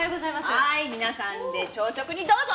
はい皆さんで朝食にどうぞ！